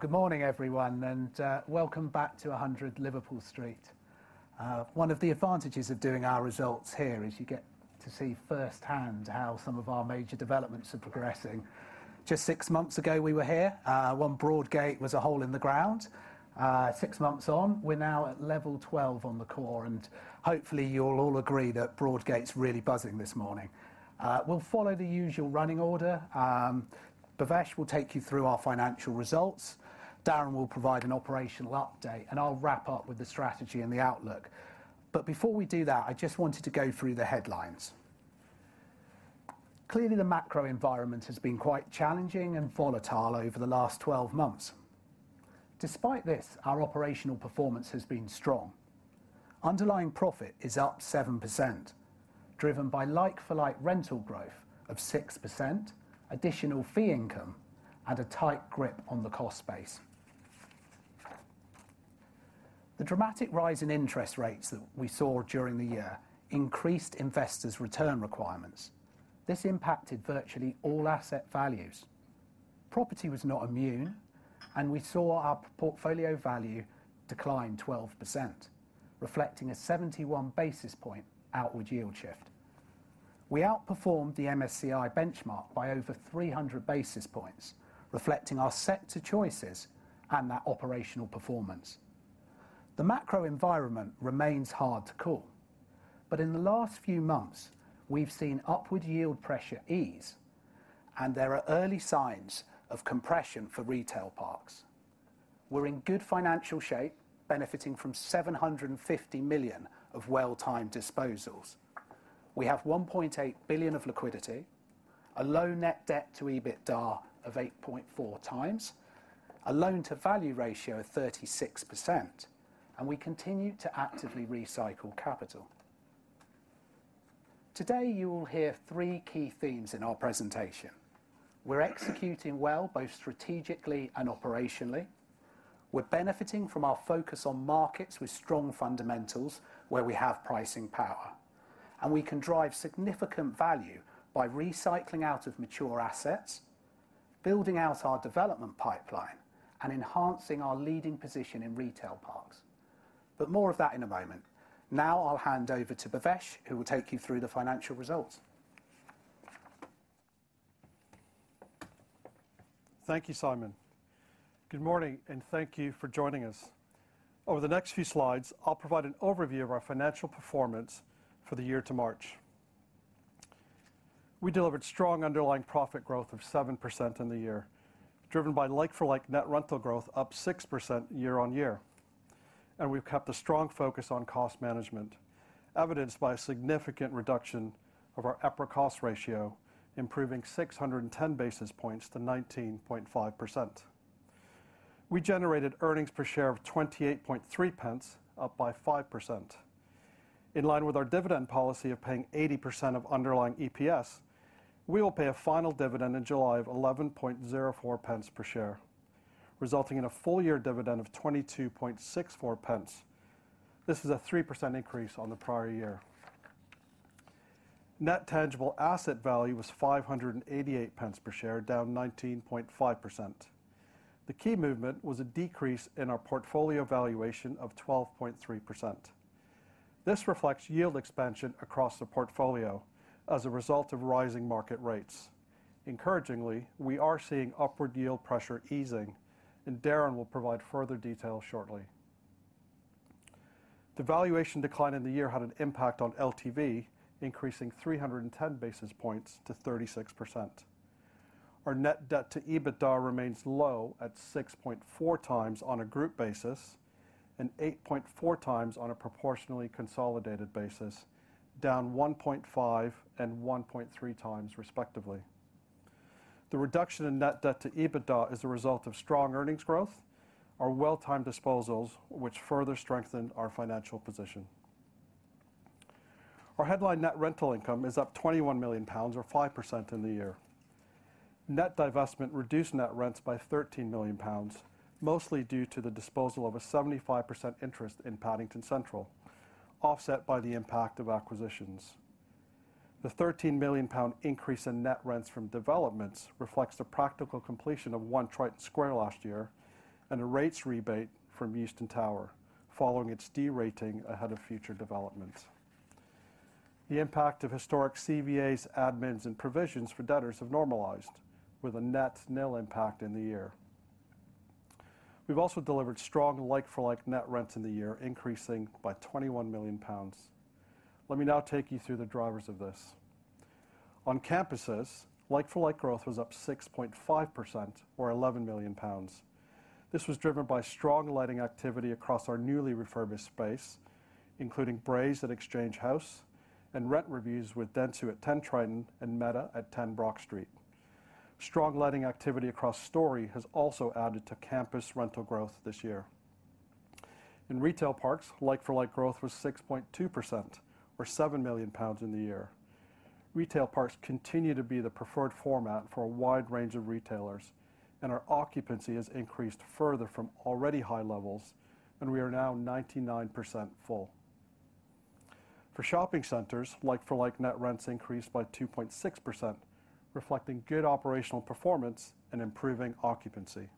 Good morning everyone, welcome back to 100 Liverpool Street. One of the advantages of doing our results here is you get to see firsthand how some of our major developments are progressing. Just six months ago, we were here. One Broadgate was a hole in the ground. Six months on, we're now at level 12 on the core, hopefully you'll all agree that Broadgate's really buzzing this morning. We'll follow the usual running order. Bhavesh will take you through our financial results. Darren will provide an operational update, I'll wrap up with the strategy and the outlook. Before we do that, I just wanted to go through the headlines. Clearly, the macro environment has been quite challenging and volatile over the last 12 months. Despite this, our operational performance has been strong. Underlying profit is up 7%, driven by like-for-like rental growth of 6%, additional fee income, and a tight grip on the cost base. The dramatic rise in interest rates that we saw during the year increased investors' return requirements. This impacted virtually all asset values. Property was not immune, and we saw our portfolio value decline 12%, reflecting a 71 basis point outward yield shift. We outperformed the MSCI benchmark by over 300 basis points, reflecting our sector choices and that operational performance. The macro environment remains hard to call, but in the last few months we've seen upward yield pressure ease and there are early signs of compression for retail parks. We're in good financial shape, benefiting from 750 million of well-timed disposals. We have 1.8 billion of liquidity, a low net debt to EBITDA of 8.4x, a loan-to-value ratio of 36%, and we continue to actively recycle capital. Today, you will hear three key themes in our presentation. We're executing well, both strategically and operationally. We're benefiting from our focus on markets with strong fundamentals, where we have pricing power. We can drive significant value by recycling out of mature assets, building out our development pipeline, and enhancing our leading position in retail parks. More of that in a moment. Now I'll hand over to Bhavesh, who will take you through the financial results. Thank you, Simon. Good morning and thank you for joining us. Over the next few slides, I'll provide an overview of our financial performance for the year to March. We delivered strong underlying profit growth of 7% in the year, driven by like-for-like net rental growth up 6% year-on-year. We've kept a strong focus on cost management, evidenced by a significant reduction of our EPRA cost ratio, improving 610 basis points to 19.5%. We generated earnings per share of 0.283, up by 5%. In line with our dividend policy of paying 80% of underlying EPS, we will pay a final dividend in July of 0.1104 per share, resulting in a full year dividend of 0.2264. This is a 3% increase on the prior year. Net Tangible Asset Value was 5.88 per share, down 19.5%. The key movement was a decrease in our portfolio valuation of 12.3%. This reflects yield expansion across the portfolio as a result of rising market rates. Encouragingly, we are seeing upward yield pressure easing, and Darren will provide further detail shortly. The valuation decline in the year had an impact on LTV, increasing 310 basis points to 36%. Our net debt to EBITDA remains low at 6.4x on a group basis, and 8.4x on a proportionally consolidated basis, down 1.5x and 1.3x respectively. The reduction in net debt to EBITDA is a result of strong earnings growth, our well-timed disposals which further strengthen our financial position. Our headline net rental income is up 21 million pounds, or 5% in the year. Net divestment reduced net rents by 13 million pounds, mostly due to the disposal of a 75% interest in Paddington Central, offset by the impact of acquisitions. The 13 million pound increase in net rents from developments reflects the practical completion of One Triton Square last year and a rates rebate from Euston Tower following its D rating ahead of future developments. The impact of historic CVAs, admins, and provisions for debtors have normalized with a net nil impact in the year. We've also delivered strong like-for-like net rents in the year, increasing by 21 million pounds. Let me now take you through the drivers of this. On campuses, like-for-like growth was up 6.5%, or 11 million pounds. This was driven by strong letting activity across our newly refurbished space, including Brays at Exchange House and rent reviews with Dentsu at 10 Triton and Meta at 10 Brock Street. Strong letting activity across Storey has also added to campus rental growth this year. In retail parks, like-for-like growth was 6.2% or 7 million pounds in the year. Retail parks continue to be the preferred format for a wide range of retailers, and our occupancy has increased further from already high levels, and we are now 99% full. For shopping centers, like-for-like net rents increased by 2.6%, reflecting good operational performance and improving occupancy.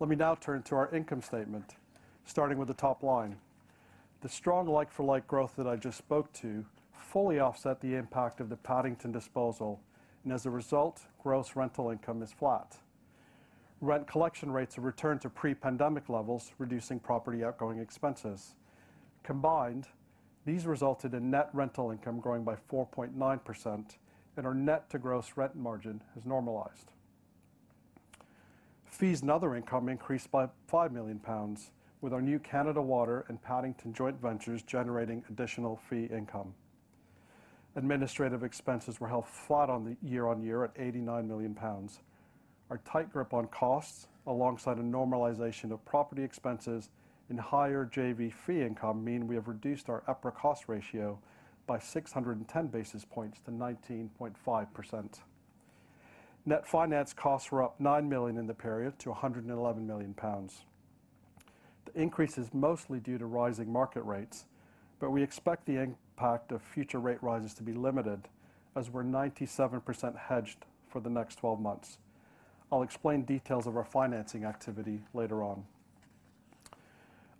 Let me now turn to our income statement, starting with the top line. The strong like-for-like growth that I just spoke to fully offset the impact of the Paddington disposal, and as a result, gross rental income is flat. Rent collection rates have returned to pre-pandemic levels, reducing property outgoing expenses. Combined, these resulted in net rental income growing by 4.9% and our net to gross rent margin has normalized. Fees and other income increased by 5 million pounds, with our new Canada Water and Paddington joint ventures generating additional fee income. Administrative expenses were held flat on the year-on-year at 89 million pounds. Our tight grip on costs, alongside a normalization of property expenses and higher JV fee income, mean we have reduced our EPRA cost ratio by 610 basis points to 19.5%. Net finance costs were up 9 million in the period to 111 million pounds. The increase is mostly due to rising market rates, we expect the impact of future rate rises to be limited as we're 97% hedged for the next 12 months. I'll explain details of our financing activity later on.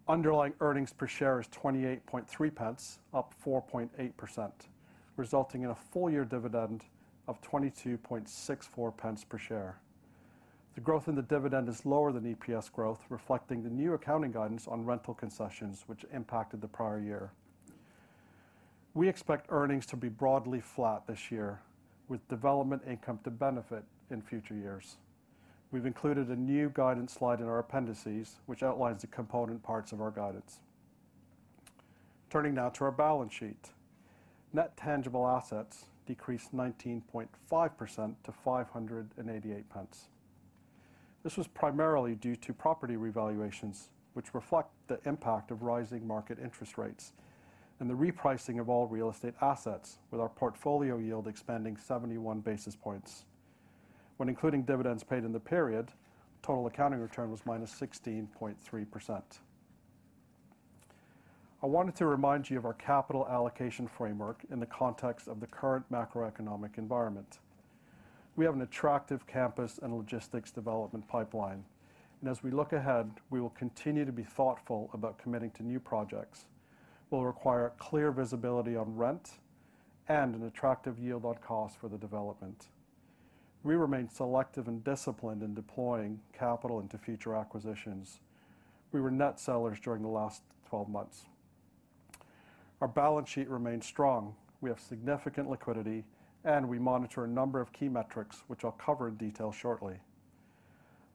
Underlying earnings per share is 0.283, up 4.8%, resulting in a full year dividend of 0.2264 per share. The growth in the dividend is lower than EPS growth, reflecting the new accounting guidance on rental concessions which impacted the prior year. We expect earnings to be broadly flat this year, with development income to benefit in future years. We've included a new guidance slide in our appendices, which outlines the component parts of our guidance. Turning now to our balance sheet. Net tangible assets decreased 19.5% to GBP 0.588. This was primarily due to property revaluations, which reflect the impact of rising market interest rates and the repricing of all real estate assets, with our portfolio yield expanding 71 basis points. When including dividends paid in the period, total accounting return was -16.3%. I wanted to remind you of our capital allocation framework in the context of the current macroeconomic environment. As we look ahead, we will continue to be thoughtful about committing to new projects. We'll require clear visibility on rent and an attractive yield on cost for the development. We remain selective and disciplined in deploying capital into future acquisitions. We were net sellers during the last 12 months. Our balance sheet remains strong. We have significant liquidity. We monitor a number of key metrics, which I'll cover in detail shortly.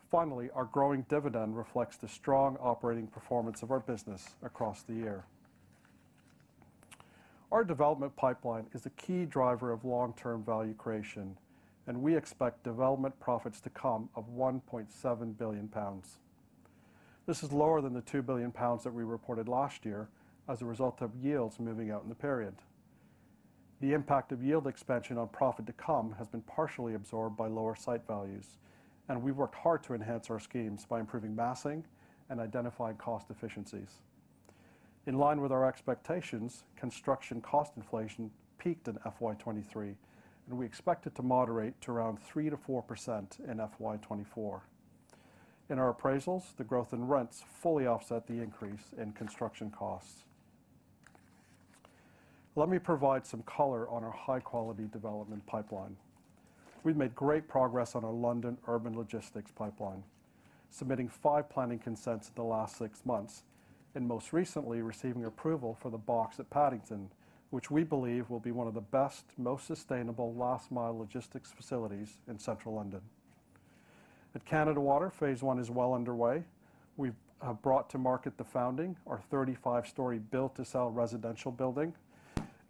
Finally, our growing dividend reflects the strong operating performance of our business across the year. Our development pipeline is a key driver of long-term value creation. We expect development profits to come of 1.7 billion pounds. This is lower than the 2 billion pounds that we reported last year as a result of yields moving out in the period. The impact of yield expansion on profit to come has been partially absorbed by lower site values. We've worked hard to enhance our schemes by improving massing and identifying cost efficiencies. In line with our expectations, construction cost inflation peaked in FY 2023. We expect it to moderate to around 3%-4% in FY 2024. In our appraisals, the growth in rents fully offset the increase in construction costs. Let me provide some color on our high-quality development pipeline. We've made great progress on our London urban logistics pipeline, submitting five planning consents in the last six months and most recently receiving approval for The Box at Paddington, which we believe will be one of the best, most sustainable last mile logistics facilities in central London. At Canada Water, phase I is well underway. We have brought to market The Founding, our 35-storey built to sell residential building,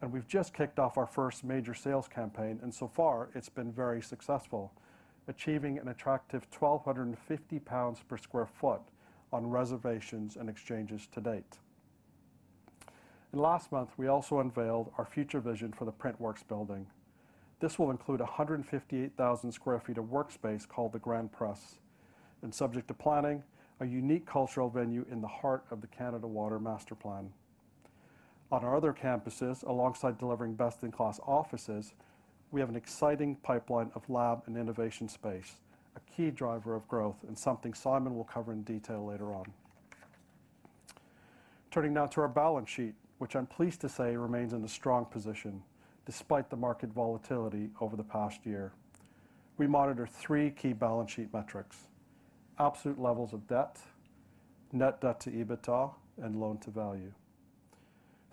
and we've just kicked off our first major sales campaign, and so far it's been very successful, achieving an attractive 1,250 pounds per sq ft on reservations and exchanges to date. Last month, we also unveiled our future vision for the Printworks building. This will include 158,000 sq ft of workspace called The Grand Press and subject to planning, a unique cultural venue in the heart of the Canada Water master plan. On our other campuses, alongside delivering best in class offices, we have an exciting pipeline of lab and innovation space, a key driver of growth and something Simon will cover in detail later on. Turning now to our balance sheet, which I'm pleased to say remains in a strong position despite the market volatility over the past year. We monitor three key balance sheet metrics: absolute levels of debt, net debt to EBITDA, and loan to value.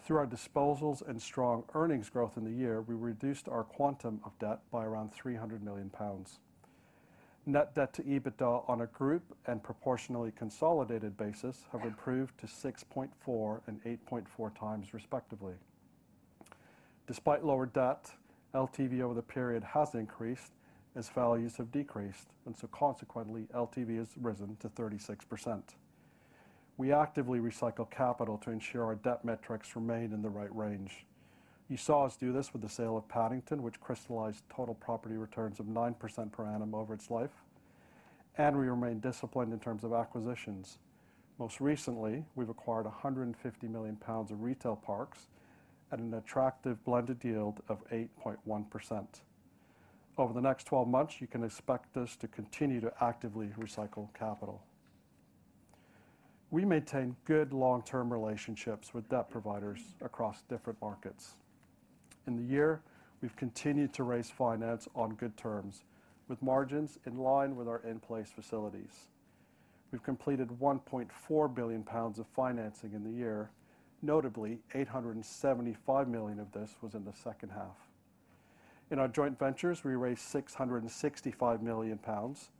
Through our disposals and strong earnings growth in the year, we reduced our quantum of debt by around 300 million pounds. Net debt to EBITDA on a group and proportionally consolidated basis have improved to 6.4x and 8.4x, respectively. Despite lower debt, LTV over the period has increased as values have decreased. Consequently, LTV has risen to 36%. We actively recycle capital to ensure our debt metrics remain in the right range. You saw us do this with the sale of Paddington, which crystallized total property returns of 9% per annum over its life. We remain disciplined in terms of acquisitions. Most recently, we've acquired 150 million pounds of retail parks at an attractive blended yield of 8.1%. Over the next 12 months, you can expect us to continue to actively recycle capital. We maintain good long-term relationships with debt providers across different markets. In the year, we've continued to raise finance on good terms with margins in line with our in-place facilities. We've completed 1.4 billion pounds of financing in the year. Notably, 875 million of this was in the second half. In our joint ventures, we raised 665 million pounds.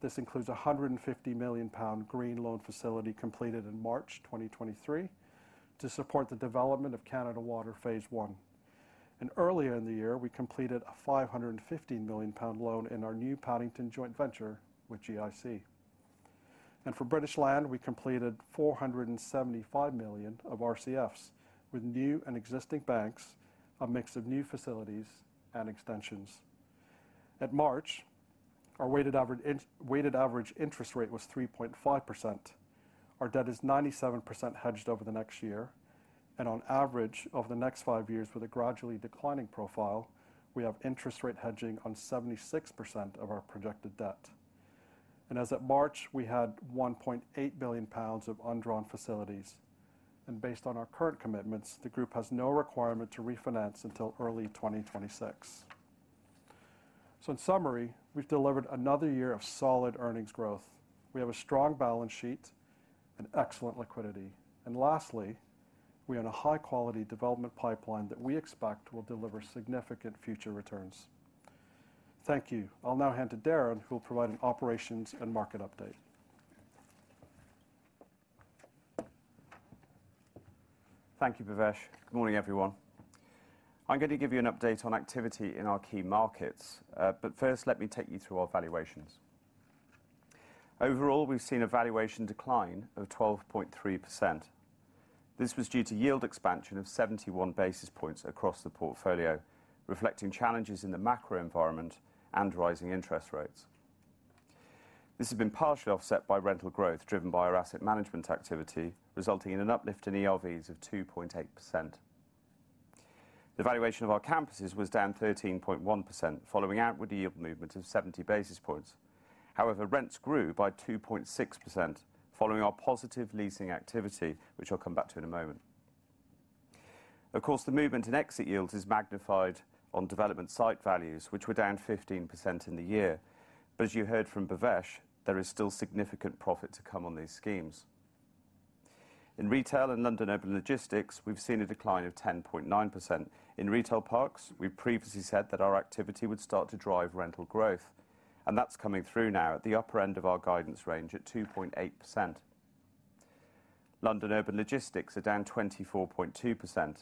This includes a 150 million pound green loan facility completed in March 2023 to support the development of Canada Water phase I. Earlier in the year, we completed a 550 million pound loan in our new Paddington joint venture with GIC. For British Land, we completed 475 million of RCFs with new and existing banks, a mix of new facilities and extensions. At March, our weighted average interest rate was 3.5%. Our debt is 97% hedged over the next year. On average, over the next five years, with a gradually declining profile, we have interest rate hedging on 76% of our projected debt. As at March, we had 1.8 billion pounds of undrawn facilities. Based on our current commitments, the group has no requirement to refinance until early 2026. In summary, we've delivered another year of solid earnings growth. We have a strong balance sheet and excellent liquidity. Lastly, we own a high-quality development pipeline that we expect will deliver significant future returns. Thank you. I'll now hand to Darren, who will provide an operations and market update. Thank you, Bhavesh. Good morning, everyone. I'm going to give you an update on activity in our key markets. Let me take you through our valuations. Overall, we've seen a valuation decline of 12.3%. This was due to yield expansion of 71 basis points across the portfolio, reflecting challenges in the macro environment and rising interest rates. This has been partially offset by rental growth driven by our asset management activity, resulting in an uplift in ERVs of 2.8%. The valuation of our campuses was down 13.1%, following outward yield movement of 70 basis points. Rents grew by 2.6% following our positive leasing activity, which I'll come back to in a moment. The movement in exit yields is magnified on development site values, which were down 15% in the year. As you heard from Bhavesh, there is still significant profit to come on these schemes. In retail and London urban logistics, we've seen a decline of 10.9%. In retail parks, we previously said that our activity would start to drive rental growth, and that's coming through now at the upper end of our guidance range at 2.8%. London urban logistics are down 24.2%.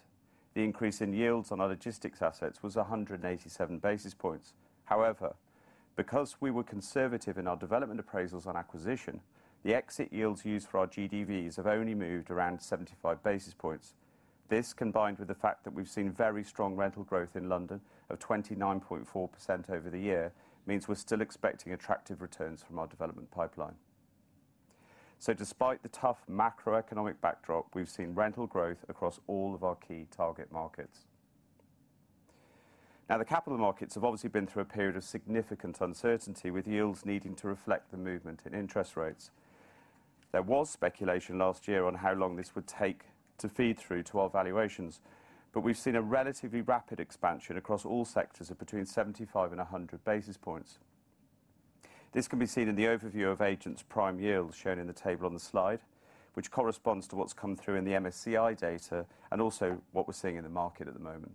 The increase in yields on our logistics assets was 187 basis points. Because we were conservative in our development appraisals on acquisition, the exit yields used for our GDVs have only moved around 75 basis points. This, combined with the fact that we've seen very strong rental growth in London of 29.4% over the year, means we're still expecting attractive returns from our development pipeline. Despite the tough macroeconomic backdrop, we've seen rental growth across all of our key target markets. The capital markets have obviously been through a period of significant uncertainty, with yields needing to reflect the movement in interest rates. There was speculation last year on how long this would take to feed through to our valuations. We've seen a relatively rapid expansion across all sectors of between 75 and 100 basis points. This can be seen in the overview of agents' prime yields shown in the table on the slide, which corresponds to what's come through in the MSCI data and also what we're seeing in the market at the moment.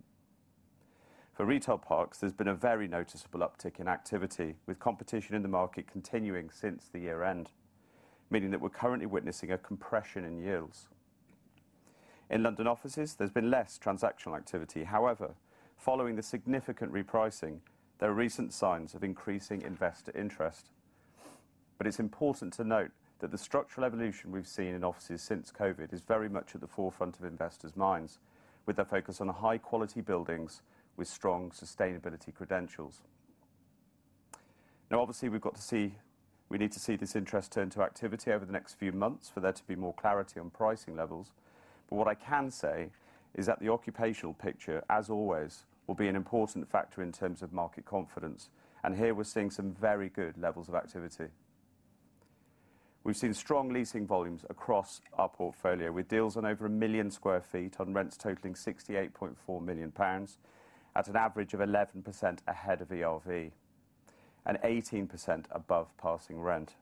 For retail parks, there's been a very noticeable uptick in activity, with competition in the market continuing since the year-end, meaning that we're currently witnessing a compression in yields. In London offices, there's been less transactional activity. However, following the significant repricing, there are recent signs of increasing investor interest. It's important to note that the structural evolution we've seen in offices since COVID is very much at the forefront of investors' minds, with a focus on high-quality buildings with strong sustainability credentials. Now, obviously, we need to see this interest turn to activity over the next few months for there to be more clarity on pricing levels. What I can say is that the occupational picture, as always, will be an important factor in terms of market confidence. Here, we're seeing some very good levels of activity. We've seen strong leasing volumes across our portfolio, with deals on over 1 million sq ft on rents totaling 68.4 million pounds at an average of 11% ahead of ERV and 18% above passing rent.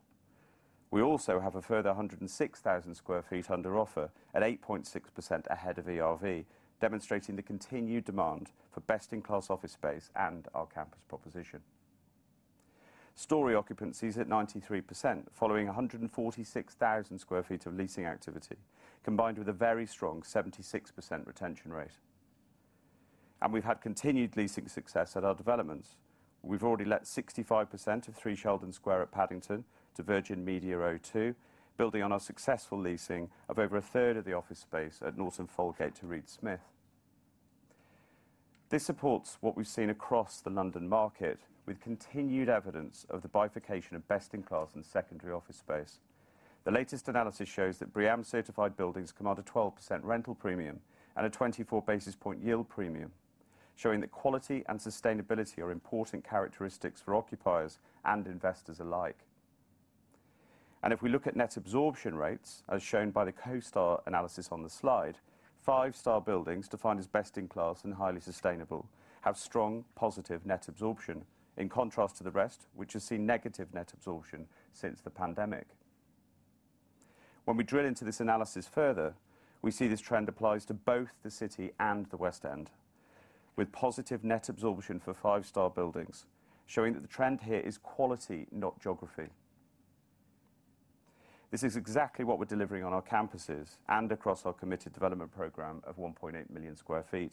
We also have a further 106,000 sq ft under offer at 8.6% ahead of ERV, demonstrating the continued demand for best-in-class office space and our campus proposition. Storey occupancy is at 93%, following 146,000 sq ft of leasing activity, combined with a very strong 76% retention rate. We've had continued leasing success at our developments. We've already let 65% of Three Sheldon Square at Paddington to Virgin Media O2, building on our successful leasing of over a third of the office space at Norton Folgate to Reed Smith. This supports what we've seen across the London market with continued evidence of the bifurcation of best in class and secondary office space. The latest analysis shows that BREEAM certified buildings command a 12% rental premium and a 24 basis point yield premium, showing that quality and sustainability are important characteristics for occupiers and investors alike. If we look at net absorption rates, as shown by the CoStar analysis on the slide, five-star buildings defined as best in class and highly sustainable have strong positive net absorption, in contrast to the rest which has seen negative net absorption since the pandemic. When we drill into this analysis further, we see this trend applies to both the City and the West End, with positive net absorption for five-star buildings, showing that the trend here is quality, not geography. This is exactly what we're delivering on our campuses and across our committed development program of 1.8 million sq ft,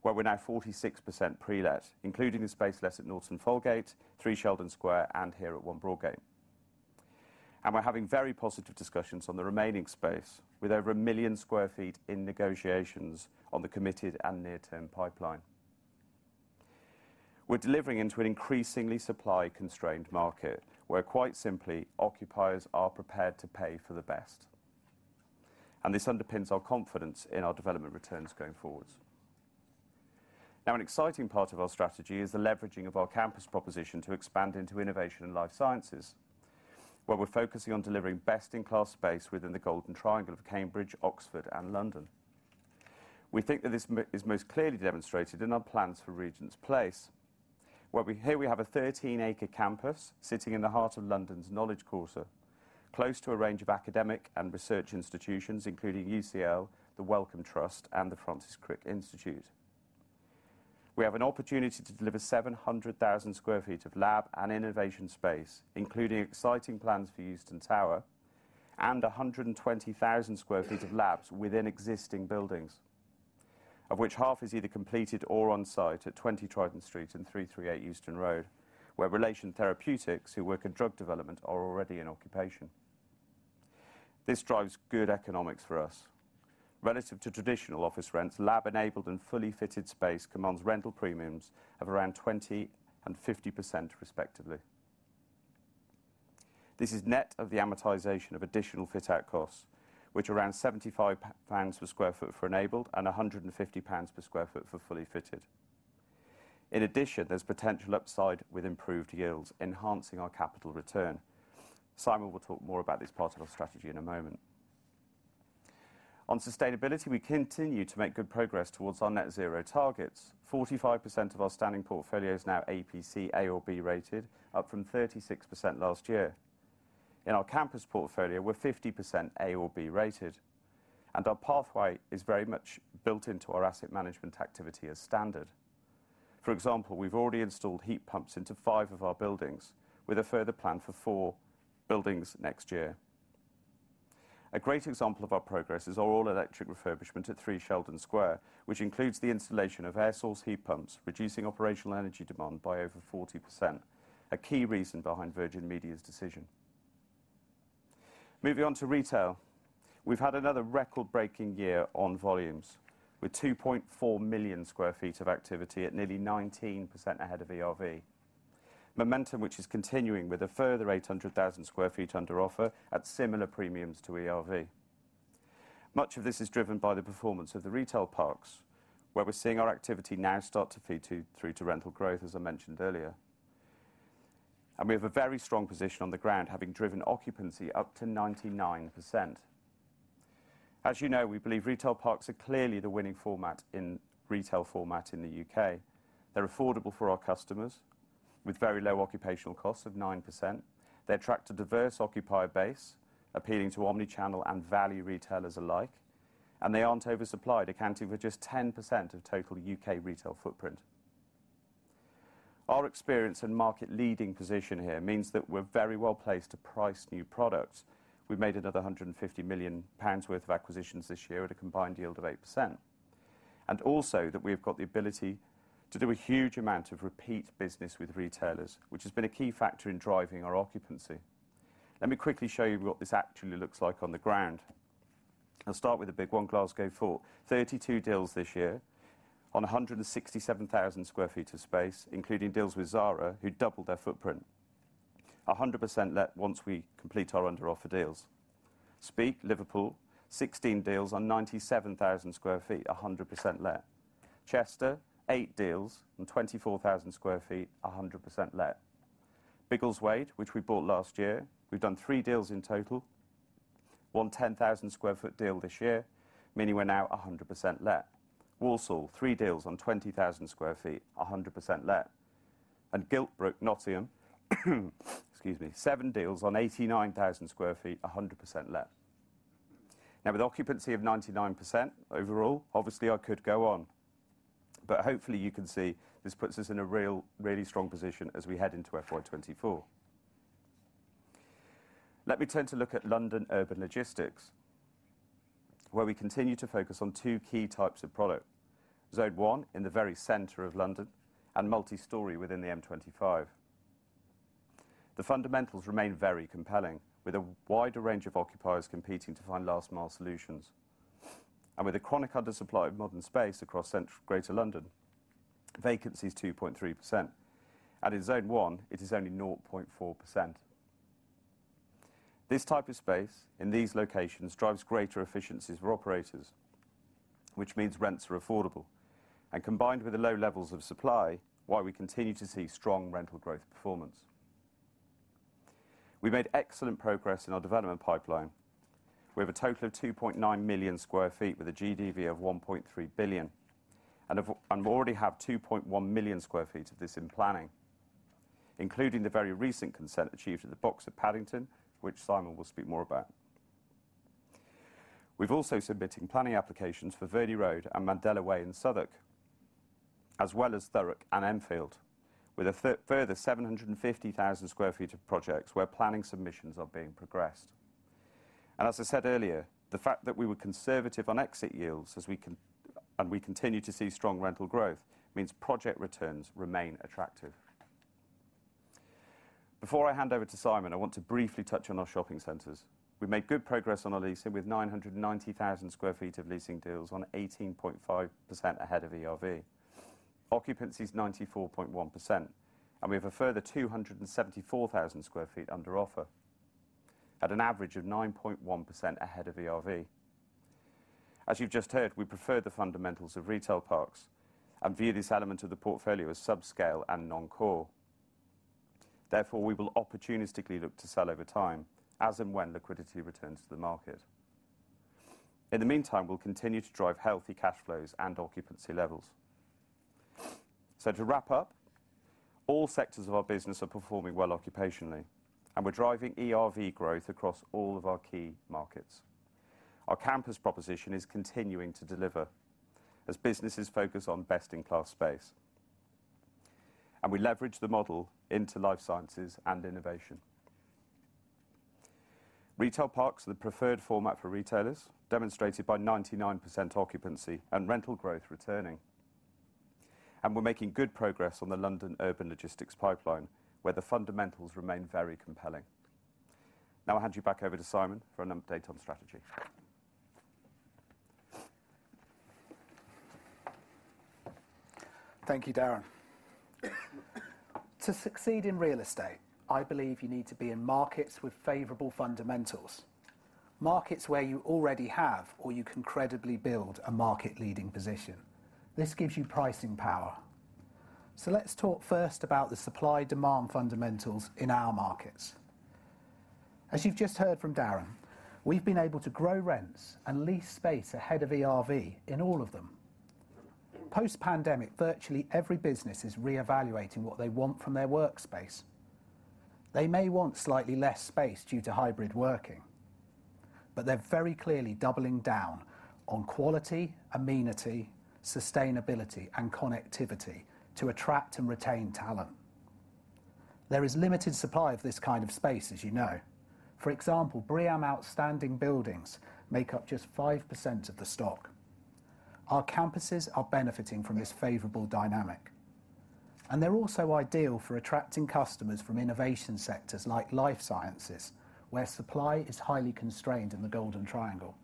where we're now 46% pre-let, including the space let at Norton Folgate, Three Sheldon Square, and here at One Broadgate. We're having very positive discussions on the remaining space with over 1 million sq ft in negotiations on the committed and near-term pipeline. We're delivering into an increasingly supply-constrained market where, quite simply, occupiers are prepared to pay for the best. This underpins our confidence in our development returns going forwards. An exciting part of our strategy is the leveraging of our campus proposition to expand into innovation and life sciences, where we're focusing on delivering best-in-class space within the Golden Triangle of Cambridge, Oxford, and London. We think that this is most clearly demonstrated in our plans for Regent's Place. Here we have a 13-acre campus sitting in the heart of London's Knowledge Quarter, close to a range of academic and research institutions including UCL, the Wellcome Trust, and the Francis Crick Institute. We have an opportunity to deliver 700,000 sq ft of lab and innovation space, including exciting plans for Euston Tower and 120,000 sq ft of labs within existing buildings, of which half is either completed or on site at 20 Triton Street and 338 Euston Road, where Relation Therapeutics, who work in drug development, are already in occupation. This drives good economics for us. Relative to traditional office rents, lab-enabled and fully fitted space commands rental premiums of around 20% and 50% respectively. This is net of the amortization of additional fit-out costs, which around 75 pounds per sq ft for enabled and 150 pounds per sq ft for fully fitted. In addition, there's potential upside with improved yields enhancing our capital return. Simon will talk more about this part of our strategy in a moment. We continue to make good progress towards our net zero targets. 45% of our standing portfolio is now EPC A or B rated, up from 36% last year. In our campus portfolio, we're 50% A or B rated. Our pathway is very much built into our asset management activity as standard. For example, we've already installed heat pumps into five of our buildings with a further plan for four buildings next year. A great example of our progress is our all-electric refurbishment at Three Sheldon Square, which includes the installation of air source heat pumps, reducing operational energy demand by over 40%, a key reason behind Virgin Media's decision. Moving on to retail. We've had another record-breaking year on volumes with 2.4 million sq ft of activity at nearly 19% ahead of ERV. Momentum which is continuing with a further 800,000 sq ft under offer at similar premiums to ERV. Much of this is driven by the performance of the retail parks, where we're seeing our activity now start to feed through to rental growth, as I mentioned earlier. We have a very strong position on the ground, having driven occupancy up to 99%. As you know, we believe retail parks are clearly the winning retail format in the U.K. They're affordable for our customers with very low occupational costs of 9%. They attract a diverse occupier base, appealing to omni-channel and value retailers alike, and they aren't oversupplied, accounting for just 10% of total U.K. retail footprint. Our experience and market-leading position here means that we're very well placed to price new products. We made another 150 million pounds worth of acquisitions this year at a combined yield of 8%. Also that we've got the ability to do a huge amount of repeat business with retailers, which has been a key factor in driving our occupancy. Let me quickly show you what this actually looks like on the ground. I'll start with the big one, Glasgow Fort. 32 deals this year on 167,000 sq ft of space, including deals with Zara, who doubled their footprint. 100% let once we complete our under offer deals. Speke, Liverpool, 16 deals on 97,000 sq ft, 100% let. Chester, eight deals and 24,000 sq ft, 100% let. Biggleswade, which we bought last year, we've done three deals in total. 1 10,000 sq ft deal this year, meaning we're now 100% let. Walsall, 3 deals on 20,000 sq ft, 100% let. Giltbrook, Nottingham Excuse me. Seven deals on 89,000 sq ft, 100% let. With occupancy of 99% overall, obviously I could go on, but hopefully you can see this puts us in a really strong position as we head into FY 2024. Let me turn to look at London urban logistics, where we continue to focus on two key types of product. Zone 1 in the very center of London and multi-story within the M25. The fundamentals remain very compelling, with a wider range of occupiers competing to find last mile solutions. With a chronic under supply of modern space across central Greater London, vacancy is 2.3%. In Zone 1, it is only 0.4%. This type of space in these locations drives greater efficiencies for operators, which means rents are affordable. Combined with the low levels of supply, why we continue to see strong rental growth performance. We made excellent progress in our development pipeline. We have a total of 2.9 million sq ft with a GDV of 1.3 billion. We already have 2.1 million sq ft of this in planning, including the very recent consent achieved at The Box at Paddington, which Simon will speak more about. We've also submitting planning applications for Verney Road and Mandela Way in Southwark, as well as Thurrock and Enfield, with a further 750,000 sq ft of projects where planning submissions are being progressed. As I said earlier, the fact that we were conservative on exit yields and we continue to see strong rental growth means project returns remain attractive. Before I hand over to Simon, I want to briefly touch on our shopping centers. We've made good progress on our leasing, with 990,000 sq ft of leasing deals on 18.5% ahead of ERV. Occupancy is 94.1%, and we have a further 274,000 sq ft under offer at an average of 9.1% ahead of ERV. As you've just heard, we prefer the fundamentals of retail parks and view this element of the portfolio as subscale and non-core. We will opportunistically look to sell over time as and when liquidity returns to the market. In the meantime, we'll continue to drive healthy cash flows and occupancy levels. To wrap up, all sectors of our business are performing well occupationally, and we're driving ERV growth across all of our key markets. Our campus proposition is continuing to deliver as businesses focus on best in class space. We leverage the model into life sciences and innovation. Retail parks are the preferred format for retailers, demonstrated by 99% occupancy and rental growth returning. We're making good progress on the London urban logistics pipeline, where the fundamentals remain very compelling. Now I'll hand you back over to Simon for an update on strategy. Thank you, Darren. To succeed in real estate, I believe you need to be in markets with favorable fundamentals, markets where you already have or you can credibly build a market leading position. This gives you pricing power. Let's talk first about the supply demand fundamentals in our markets. As you've just heard from Darren, we've been able to grow rents and lease space ahead of ERV in all of them. Post-pandemic, virtually every business is reevaluating what they want from their workspace. They may want slightly less space due to hybrid working, but they're very clearly doubling down on quality, amenity, sustainability, and connectivity to attract and retain talent. There is limited supply of this kind of space, as you know. For example, BREEAM outstanding buildings make up just 5% of the stock. Our campuses are benefiting from this favorable dynamic, and they're also ideal for attracting customers from innovation sectors like life sciences, where supply is highly constrained in the Golden Triangle.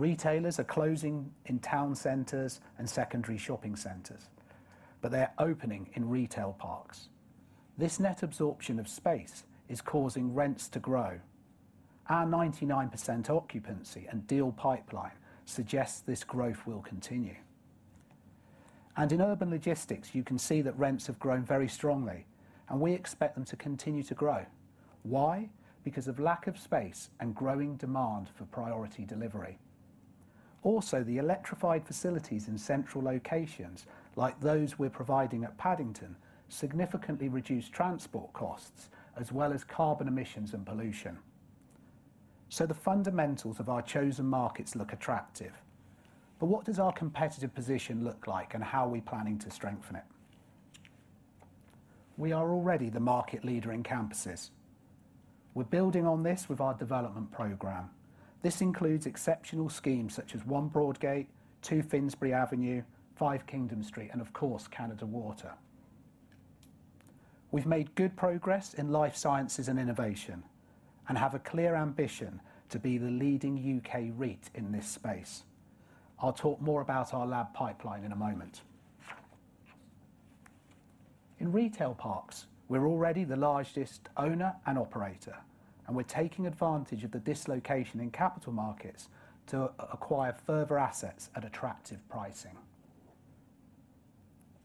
Retailers are closing in town centers and secondary shopping centers, but they're opening in retail parks. This net absorption of space is causing rents to grow. Our 99% occupancy and deal pipeline suggests this growth will continue. In urban logistics, you can see that rents have grown very strongly, and we expect them to continue to grow. Why? Because of lack of space and growing demand for priority delivery. Also, the electrified facilities in central locations like those we're providing at Paddington significantly reduce transport costs as well as carbon emissions and pollution. The fundamentals of our chosen markets look attractive. What does our competitive position look like, and how are we planning to strengthen it? We are already the market leader in campuses. We're building on this with our development program. This includes exceptional schemes such as 1 Broadgate, 2 Finsbury Avenue, Five Kingdom Street, and of course, Canada Water. We've made good progress in life sciences and innovation and have a clear ambition to be the leading U.K. REIT in this space. I'll talk more about our lab pipeline in a moment. In retail parks, we're already the largest owner and operator, and we're taking advantage of the dislocation in capital markets to acquire further assets at attractive pricing.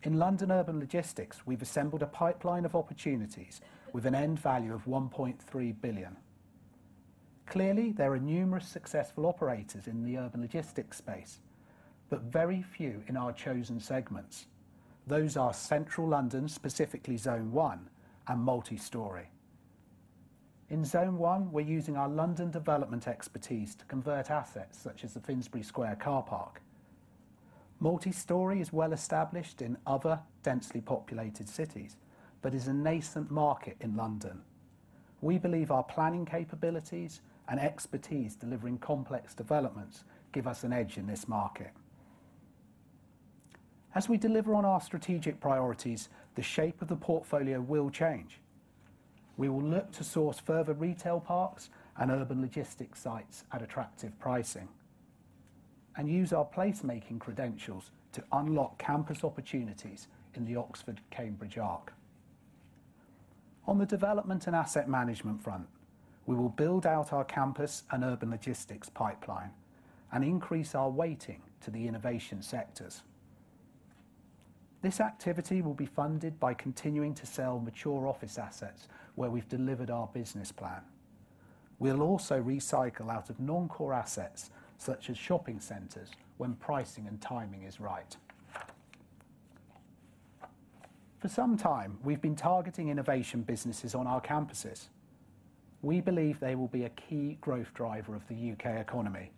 In London urban logistics, we've assembled a pipeline of opportunities with an end value of 1.3 billion. Clearly, there are numerous successful operators in the urban logistics space, but very few in our chosen segments. Those are Central London, specifically Zone 1 and Multistory. In Zone 1, we're using our London development expertise to convert assets such as the Finsbury Square car park. Multistory is well established in other densely populated cities, but is a nascent market in London. We believe our planning capabilities and expertise delivering complex developments give us an edge in this market. As we deliver on our strategic priorities, the shape of the portfolio will change. We will look to source further retail parks and urban logistics sites at attractive pricing and use our placemaking credentials to unlock campus opportunities in the Oxford-Cambridge Arc. On the development and asset management front, we will build out our campus and urban logistics pipeline and increase our weighting to the innovation sectors. This activity will be funded by continuing to sell mature office assets where we've delivered our business plan. We'll also recycle out of non-core assets such as shopping centers when pricing and timing is right. For some time, we've been targeting innovation businesses on our campuses. We believe they will be a key growth driver of the U.K. economy.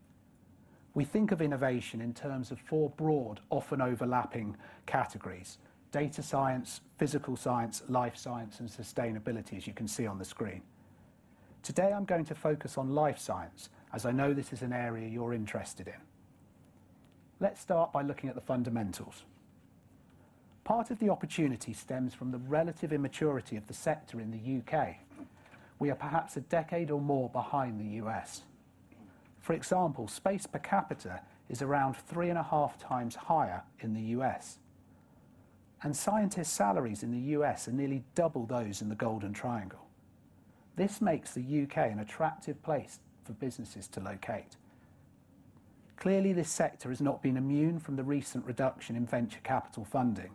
We think of innovation in terms of four broad, often overlapping categories: data science, physical science, life science, and sustainability, as you can see on the screen. Today, I'm going to focus on life science, as I know this is an area you're interested in. Let's start by looking at the fundamentals. Part of the opportunity stems from the relative immaturity of the sector in the U.K. We are perhaps a decade or more behind the U.S. For example, space per capita is around 3.5x higher in the U.S., and scientist salaries in the U.S. are nearly double those in the Golden Triangle. This makes the U.K. an attractive place for businesses to locate. Clearly, this sector has not been immune from the recent reduction in venture capital funding.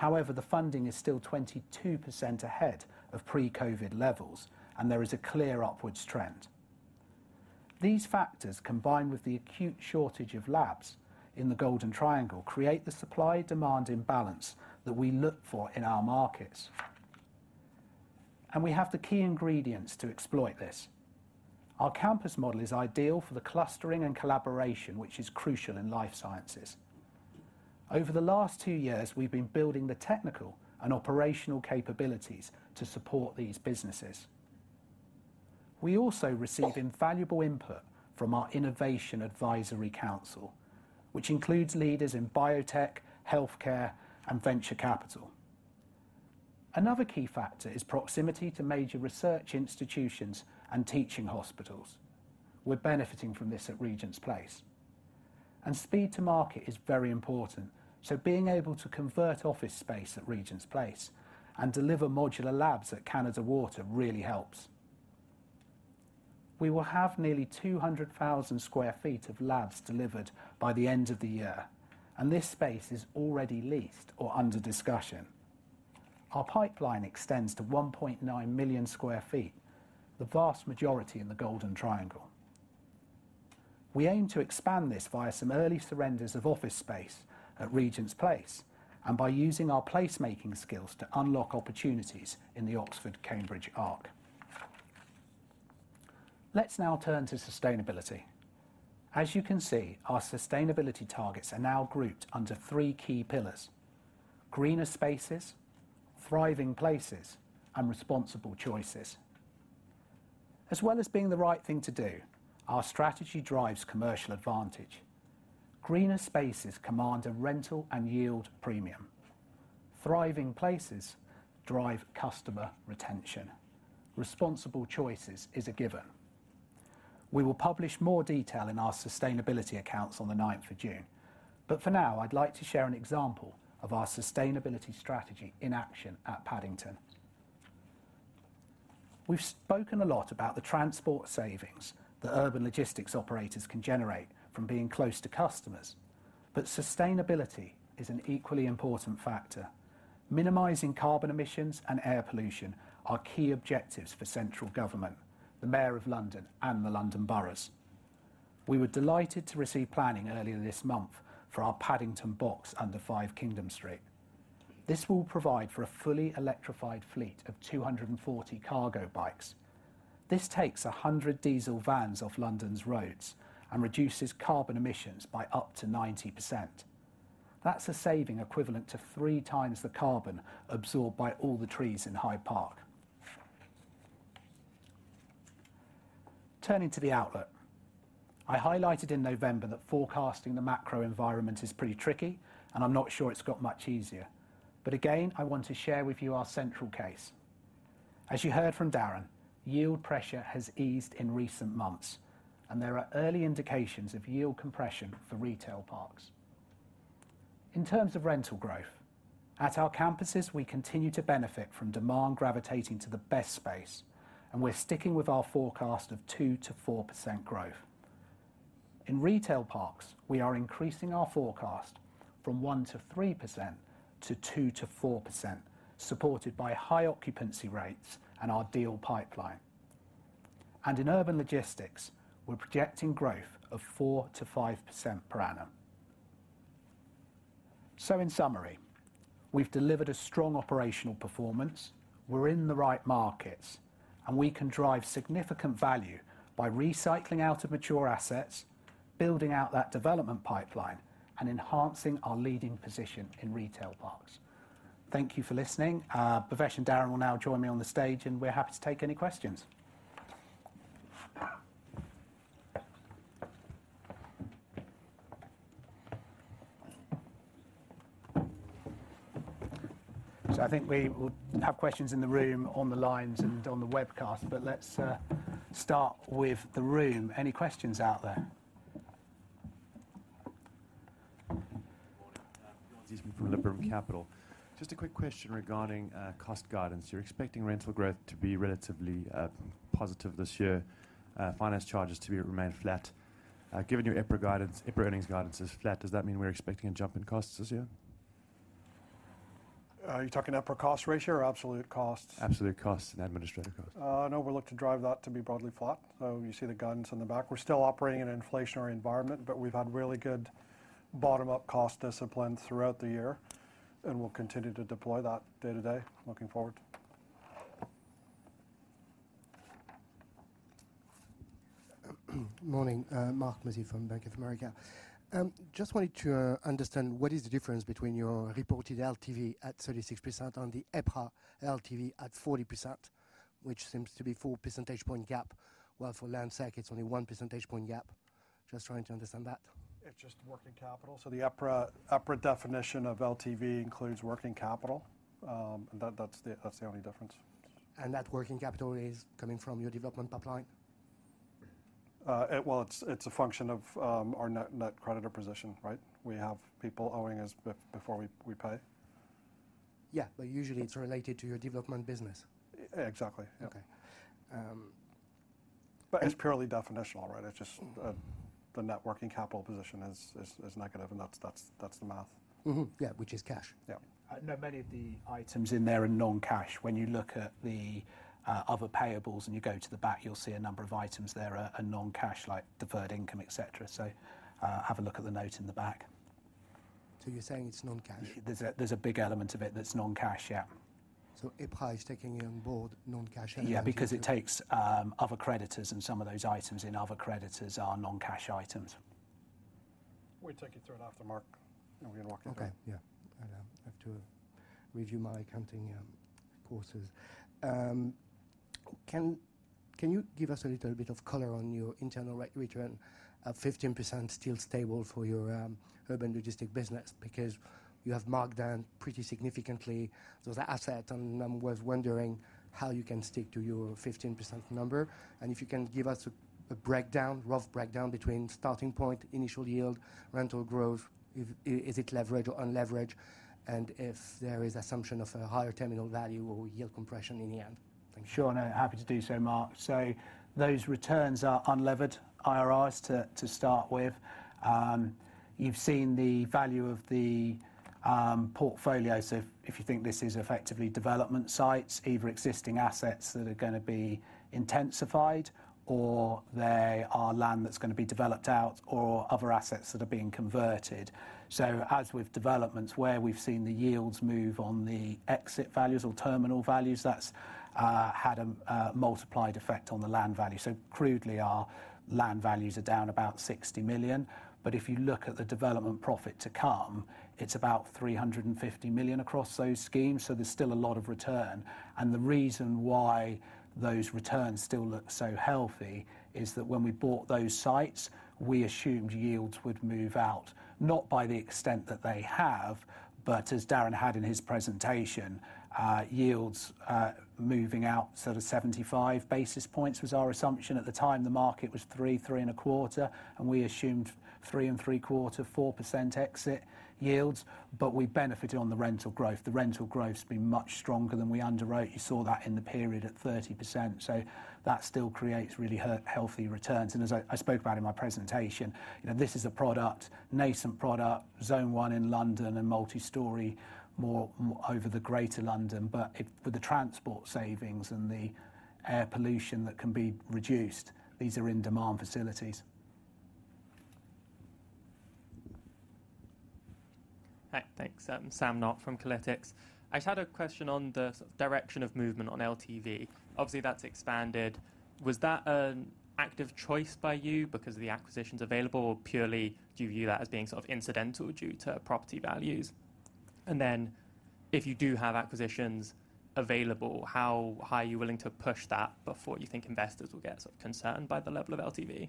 The funding is still 22% ahead of pre-COVID levels, and there is a clear upwards trend. These factors, combined with the acute shortage of labs in the Golden Triangle, create the supply-demand imbalance that we look for in our markets. We have the key ingredients to exploit this. Our campus model is ideal for the clustering and collaboration which is crucial in life sciences. Over the last two years, we've been building the technical and operational capabilities to support these businesses. We also receive invaluable input from our Innovation Advisory Council, which includes leaders in biotech, healthcare, and venture capital. Another key factor is proximity to major research institutions and teaching hospitals. We're benefiting from this at Regent's Place. Speed to market is very important, so being able to convert office space at Regent's Place and deliver modular labs at Canada Water really helps. We will have nearly 200,000 sq ft of labs delivered by the end of the year, and this space is already leased or under discussion. Our pipeline extends to 1.9 million sq ft, the vast majority in the Golden Triangle. We aim to expand this via some early surrenders of office space at Regent's Place and by using our placemaking skills to unlock opportunities in the Oxford-Cambridge Arc. Let's now turn to sustainability. As you can see, our sustainability targets are now grouped under three key pillars, greener spaces, thriving places, and responsible choices. As well as being the right thing to do, our strategy drives commercial advantage. Greener spaces command a rental and yield premium. Thriving places drive customer retention. Responsible choices is a given. We will publish more detail in our sustainability accounts on the ninth of June. For now, I'd like to share an example of our sustainability strategy in action at Paddington. We've spoken a lot about the transport savings that urban logistics operators can generate from being close to customers, but sustainability is an equally important factor. Minimizing carbon emissions and air pollution are key objectives for central government, the Mayor of London, and the London boroughs. We were delighted to receive planning earlier this month for our Paddington Box under 5 Kingdom Street. This will provide for a fully electrified fleet of 240 cargo bikes. This takes 100 diesel vans off London's roads and reduces carbon emissions by up to 90%. That's a saving equivalent to three times the carbon absorbed by all the trees in Hyde Park. Turning to the outlook. I highlighted in November that forecasting the macro environment is pretty tricky, and I'm not sure it's got much easier. Again, I want to share with you our central case. As you heard from Darren, yield pressure has eased in recent months, and there are early indications of yield compression for retail parks. In terms of rental growth, at our campuses, we continue to benefit from demand gravitating to the best space, and we're sticking with our forecast of 2%-4% growth. In retail parks, we are increasing our forecast from 1%-3% to 2%-4%, supported by high occupancy rates and our deal pipeline. In urban logistics, we're projecting growth of 4%-5% per annum. In summary, we've delivered a strong operational performance. We're in the right markets, and we can drive significant value by recycling out of mature assets, building out that development pipeline, and enhancing our leading position in retail parks. Thank you for listening. Bhavesh and Darren will now join me on the stage, and we're happy to take any questions. I think we will have questions in the room, on the lines, and on the webcast, but let's start with the room. Any questions out there? Good morning. John Goodman from Liberum Capital. Just a quick question regarding cost guidance. You're expecting rental growth to be relatively positive this year, finance charges to remain flat. Given your EPRA guidance, EPRA earnings guidance is flat. Does that mean we're expecting a jump in costs this year? Are you talking EPRA cost ratio or absolute costs? Absolute costs and administrative costs. We look to drive that to be broadly flat. You see the guidance in the back. We're still operating in an inflationary environment, but we've had really good bottom-up cost discipline throughout the year, and we'll continue to deploy that day to day looking forward. Morning. Marc Mozzi from Bank of America. Just wanted to understand what is the difference between your reported LTV at 36% on the EPRA LTV at 40%, which seems to be full percentage point gap, while for Landsec it's only 1 percentage point gap. Just trying to understand that. It's just working capital. The EPRA definition of LTV includes working capital. That's the only difference. That working capital is coming from your development pipeline? Well, it's a function of our net creditor position, right? We have people owing us before we pay. Yeah, usually it's related to your development business. E-exactly. Okay. it's purely definitional, right? It's just the net working capital position is negative and that's the math. Mm-hmm. Yeah, which is cash. Yeah. No, many of the items in there are non-cash. When you look at the other payables and you go to the back, you'll see a number of items there are non-cash, like deferred income, et cetera. Have a look at the note in the back. You're saying it's non-cash? There's a big element of it that's non-cash, yeah. EPRA is taking on board non-cash items? Yeah, because it takes, other creditors and some of those items. Other creditors are non-cash items. We'll take it third after Marc, and we can walk you through. Okay. Yeah. I have to review my accounting courses. Can you give us a little bit of color on your internal return at 15% still stable for your urban logistics business? You have marked down pretty significantly those assets, and I was wondering how you can stick to your 15% number. If you can give us a breakdown, rough breakdown between starting point, initial yield, rental growth. Is it leveraged or unleveraged? If there is assumption of a higher terminal value or yield compression in the end. Thanks. Sure. No, happy to do so, Marc. Those returns are unlevered IRRs to start with. You've seen the value of the portfolio. If you think this is effectively development sites, either existing assets that are gonna be intensified, or they are land that's gonna be developed out or other assets that are being converted. As with developments, where we've seen the yields move on the exit values or terminal values, that's had a multiplied effect on the land value. Crudely, our land values are down about 60 million. If you look at the development profit to come, it's about 350 million across those schemes. There's still a lot of return. The reason why those returns still look so healthy is that when we bought those sites, we assumed yields would move out, not by the extent that they have, but as Darren had in his presentation, yields moving out sort of 75 basis points was our assumption. At the time, the market was 3%, 3.25%, and we assumed 3.75%, 4% exit yields. We benefited on the rental growth. The rental growth's been much stronger than we underwrote. You saw that in the period at 30%. That still creates really healthy returns. As I spoke about in my presentation, you know, this is a product, nascent product, zone one in London and multi-story more over the Greater London. With the transport savings and the air pollution that can be reduced, these are in-demand facilities. Hi. Thanks. Sander Knorr from Kolytics. I just had a question on the direction of movement on LTV. Obviously, that's expanded. Was that an active choice by you because of the acquisitions available? Or purely, do you view that as being sort of incidental due to property values? If you do have acquisitions available, how high are you willing to push that before you think investors will get sort of concerned by the level of LTV?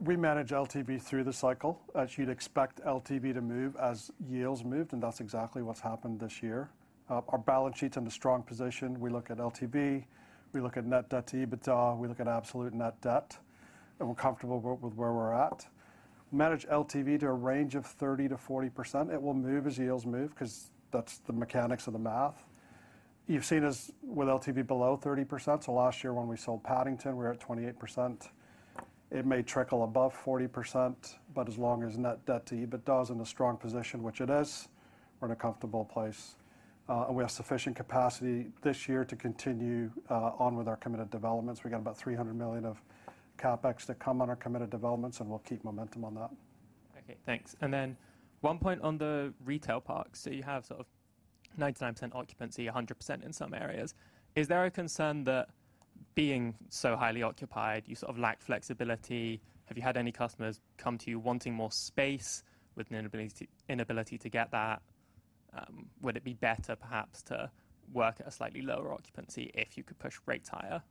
We manage LTV through the cycle. As you'd expect LTV to move as yields move, and that's exactly what's happened this year. Our balance sheet's in a strong position. We look at LTV, we look at net debt to EBITDA, we look at absolute net debt, and we're comfortable with where we're at. Manage LTV to a range of 30%-40%. It will move as yields move 'cause that's the mechanics of the math. You've seen us with LTV below 30%. Last year when we sold Paddington, we were at 28%. It may trickle above 40%, but as long as net debt to EBITDA is in a strong position, which it is, we're in a comfortable place. We have sufficient capacity this year to continue on with our committed developments. We got about 300 million of CapEx to come on our committed developments, and we'll keep momentum on that. Okay, thanks. Then one point on the retail parks. You have sort of 99% occupancy, 100% in some areas. Is there a concern that being so highly occupied, you sort of lack flexibility? Have you had any customers come to you wanting more space with an inability to get that? Would it be better perhaps to work at a slightly lower occupancy if you could push rates higher?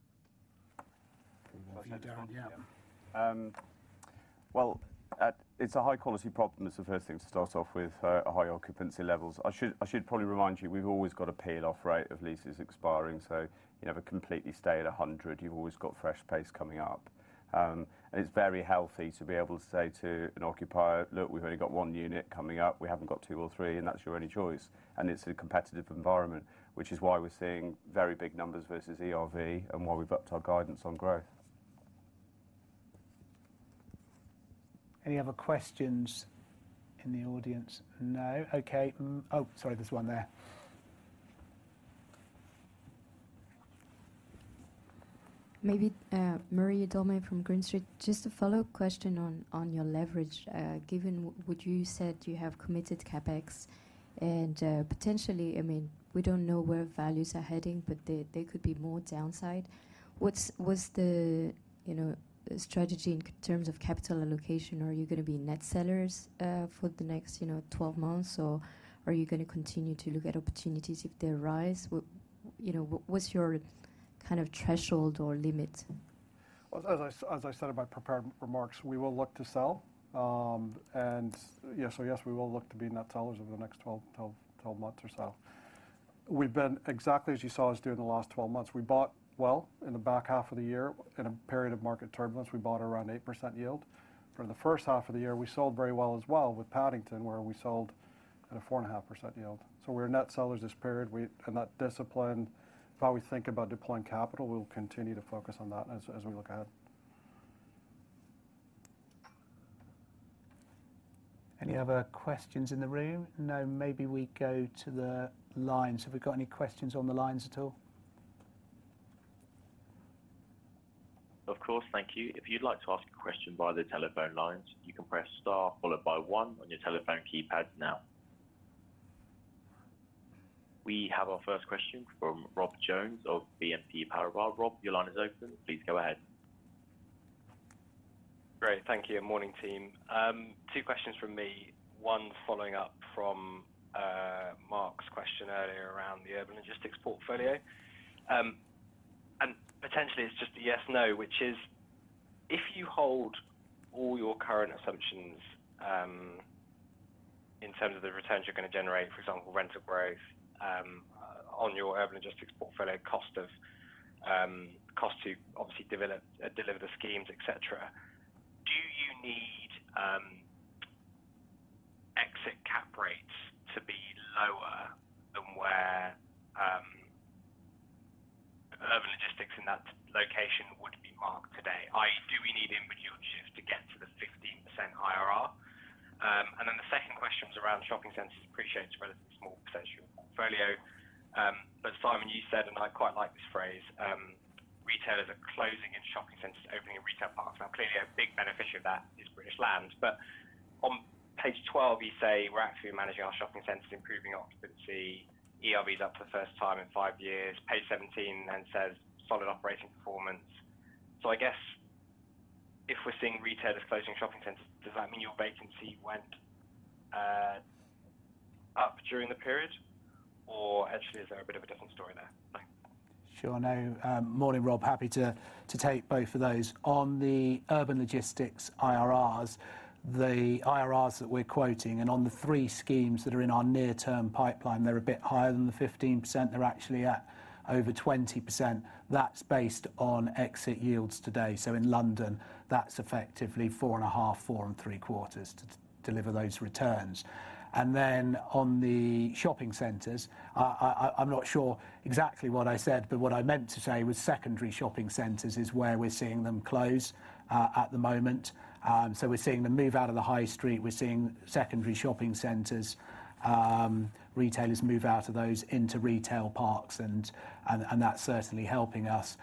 Darren, yeah. Well, it's a high quality problem is the first thing to start off with, at high occupancy levels. I should probably remind you, we've always got a peel-off rate of leases expiring, so you never completely stay at 100. You've always got fresh pace coming up. It's very healthy to be able to say to an occupier, "Look, we've only got one unit coming up. We haven't got two or three, and that's your only choice." It's a competitive environment, which is why we're seeing very big numbers versus ERV and why we've upped our guidance on growth. Any other questions in the audience? No. Okay. Oh, sorry. There's one there. Marie Dormeuil from Green Street. Just a follow-up question on your leverage. Given what you said, you have committed CapEx and, potentially, I mean, we don't know where values are heading, but there could be more downside. What's the, you know, strategy in terms of capital allocation? Are you gonna be net sellers for the next, you know, 12 months, or are you gonna continue to look at opportunities if they arise? What's, you know, what's your kind of threshold or limit? As I said in my prepared remarks, we will look to sell. Yes. Yes, we will look to be net sellers over the next 12 months or so. We've been, exactly as you saw us do in the last 12 months, we bought well in the back half of the year. In a period of market turbulence, we bought around 8% yield. For the first half of the year, we sold very well as well with Paddington, where we sold at a four and a half percent yield. We're net sellers this period. That discipline of how we think about deploying capital, we'll continue to focus on that as we look ahead. Any other questions in the room? No. Maybe we go to the lines. Have we got any questions on the lines at all? Of course. Thank you. If you'd like to ask a question via the telephone lines, you can press star followed by one on your telephone keypad now. We have our first question from Rob Jones of BNP Paribas. Rob, your line is open. Please go ahead. Great. Thank you. Morning, team. Two questions from me. One following up from Marc Mozzi's question earlier around the urban logistics portfolio. And potentially it's just a yes/no, which is, if you hold all your current assumptions, in terms of the returns you're gonna generate, for example, rental growth, on your urban logistics portfolio cost of cost to obviously deliver the schemes, et cetera, do you need exit cap rates to be lower than where urban logistics in that location would be marked today? Do we need input yield shifts to get to the 15% IRR? And then the second question is around shopping centers, appreciate it's a relatively small potential portfolio. But Simon, you said, and I quite like this phrase, retailers are closing in shopping centers, opening in retail parks. Clearly a big beneficiary of that is British Land. On page 12, you say, we're actually managing our shopping centers, improving occupancy. ERV is up for the first time in five years. Page 17 says, solid operating performance. I guess if we're seeing retailers closing shopping centers, does that mean your vacancy went up during the period, or actually, is there a bit of a different story there? Thanks. Sure. No. Morning, Rob. Happy to take both of those. On the urban logistics IRRs, the IRRs that we're quoting and on the three schemes that are in our near-term pipeline, they're a bit higher than the 15%. They're actually at over 20%. That's based on exit yields today. In London, that's effectively 4.5%, 4.75% to deliver those returns. On the shopping centers, I'm not sure exactly what I said, but what I meant to say was secondary shopping centers is where we're seeing them close at the moment. We're seeing them move out of the high street. We're seeing secondary shopping centers, retailers move out of those into retail parks and that's certainly helping us.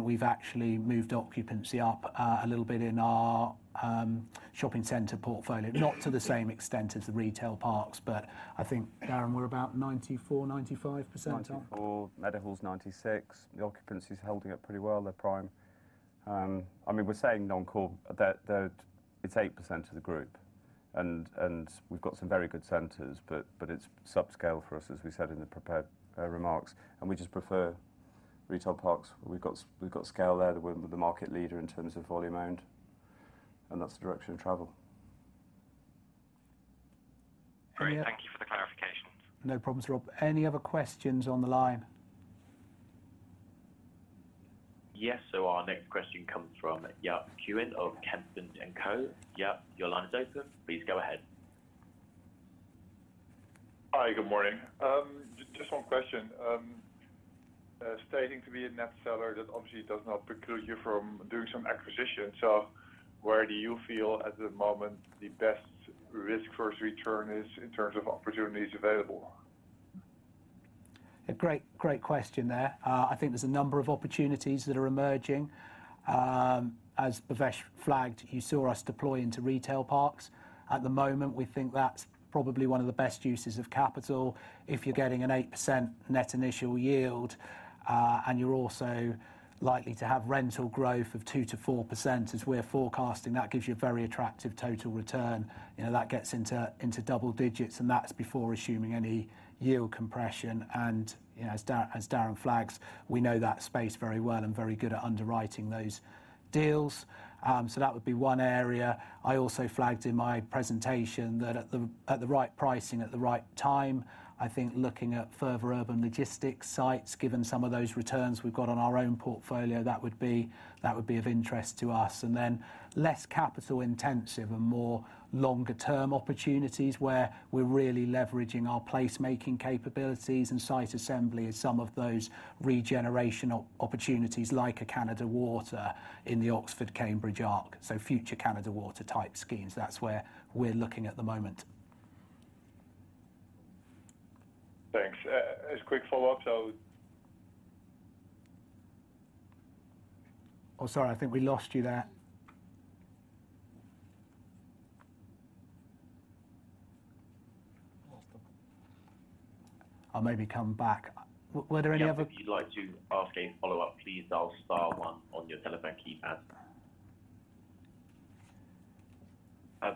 We've actually moved occupancy up a little bit in our shopping center portfolio. Not to the same extent as the retail parks, but I think, Darren, we're about 94%, 95% up. 94%. Meadowhall's 96%. The occupancy is holding up pretty well. They're prime. I mean, we're saying on call that it's 8% of the group and we've got some very good centers, but it's subscale for us, as we said in the prepared remarks. We just prefer retail parks. We've got scale there. We're the market leader in terms of volume owned. That's the direction of travel. Great. Thank you for the clarifications. No problems, Rob. Any other questions on the line? Yes. Our next question comes from Jaap Kuin of Kempen & Co. Jaap, your line is open. Please go ahead. Hi. Good morning. Just one question. Stating to be a net seller, that obviously does not preclude you from doing some acquisition. Where do you feel at the moment the best risk versus return is in terms of opportunities available? A great question there. I think there's a number of opportunities that are emerging. As Bhavesh flagged, you saw us deploy into retail parks. At the moment, we think that's probably one of the best uses of capital. If you're getting an 8% net initial yield, and you're also likely to have rental growth of 2%-4%, as we're forecasting, that gives you a very attractive total return. You know, that gets into double digits, and that's before assuming any yield compression, and, you know, as Darren flags, we know that space very well and very good at underwriting those deals. That would be one area. I also flagged in my presentation that at the right pricing, at the right time, I think looking at further urban logistics sites, given some of those returns we've got on our own portfolio, that would be of interest to us. Less capital intensive and more longer term opportunities where we're really leveraging our placemaking capabilities and site assembly as some of those regenerational opportunities like a Canada Water in the Oxford Cambridge Arc. Future Canada Water type schemes. That's where we're looking at the moment. Thanks. as quick follow-up,... Oh, sorry, I think we lost you there. Lost him. I'll maybe come back. Were there any other- Yeah. If you'd like to ask a follow-up, please dial star one on your telephone keypad.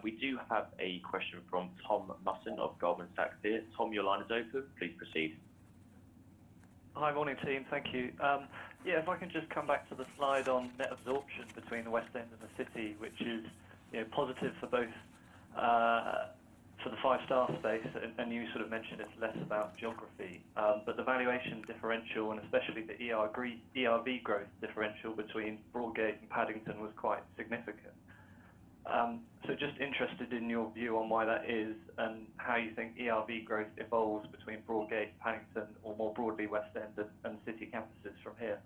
We do have a question from Tom Musson of Goldman Sachs here. Tom, your line is open. Please proceed. Hi. Morning, team. Thank you. Yeah, if I can just come back to the slide on net absorption between the West End and the City, which is, you know, positive for both for the five-star space, and you sort of mentioned it's less about geography. The valuation differential, and especially the ERV growth differential between Broadgate and Paddington was quite significant. Just interested in your view on why that is and how you think ERV growth evolves between Broadgate, Paddington or more broadly West End and City campuses from here.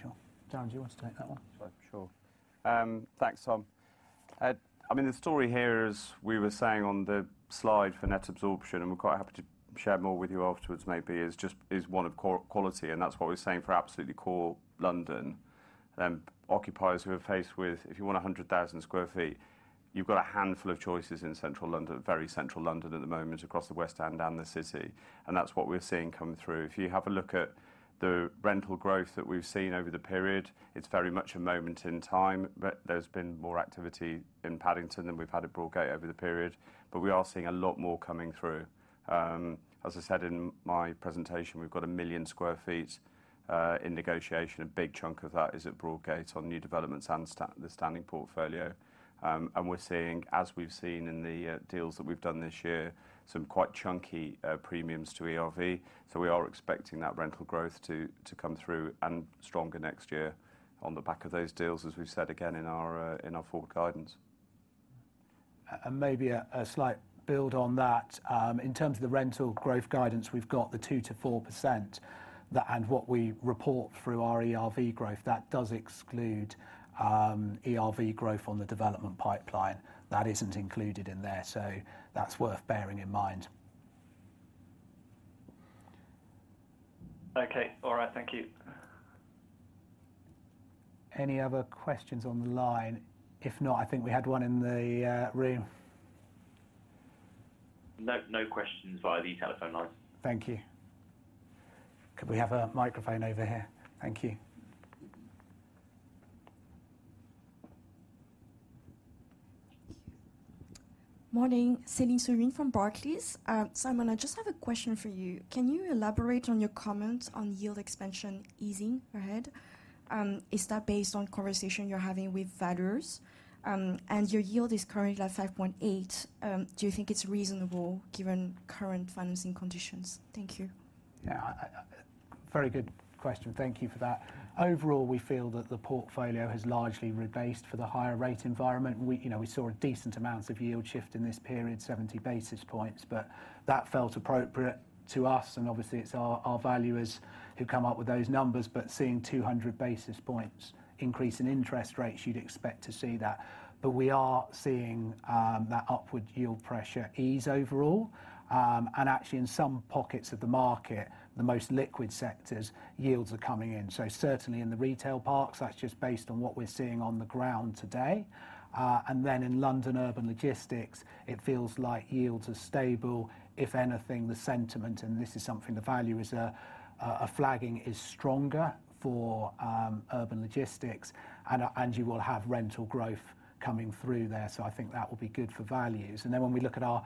Sure. Darren, do you want to take that one? Sorry. Sure. Thanks, Tom. I mean, the story here, as we were saying on the slide for net absorption, and we're quite happy to share more with you afterwards, maybe is just one of quality, and that's what we're saying for absolutely core London. Occupiers who are faced with, if you want 100,000 sq ft, you've got a handful of choices in Central London, very Central London at the moment across the West End and the City, and that's what we're seeing come through. If you have a look at the rental growth that we've seen over the period, it's very much a moment in time, but there's been more activity in Paddington than we've had at Broadgate over the period. We are seeing a lot more coming through. As I said in my presentation, we've got 1 million sq ft in negotiation. A big chunk of that is at Broadgate on new developments and the standing portfolio. We're seeing, as we've seen in the deals that we've done this year, some quite chunky premiums to ERV. We are expecting that rental growth to come through and stronger next year on the back of those deals, as we've said again in our in our forward guidance. Maybe a slight build on that. In terms of the rental growth guidance, we've got the 2%-4% and what we report through our ERV growth, that does exclude ERV growth on the development pipeline. That isn't included in there, so that's worth bearing in mind. Okay. All right. Thank you. Any other questions on the line? If not, I think we had one in the room. No. No questions via the telephone lines. Thank you. Could we have a microphone over here? Thank you. Thank you. Morning. Céline Soubranne from Barclays. Simon, I just have a question for you. Can you elaborate on your comment on yield expansion easing ahead? Is that based on conversation you're having with valuers? Your yield is currently at 5.8, do you think it's reasonable given current financing conditions? Thank you. Yeah. Very good question. Thank you for that. Overall, we feel that the portfolio has largely rebased for the higher rate environment. We, you know, we saw a decent amount of yield shift in this period, 70 basis points, but that felt appropriate to us, and obviously it's our valuers who come up with those numbers. Seeing 200 basis points increase in interest rates, you'd expect to see that. We are seeing that upward yield pressure ease overall. Actually in some pockets of the market, the most liquid sectors, yields are coming in. Certainly in the retail parks, that's just based on what we're seeing on the ground today. Then in London urban logistics, it feels like yields are stable. If anything, the sentiment, and this is something the valuers are flagging, is stronger for urban logistics. You will have rental growth coming through there. I think that will be good for values. When we look at our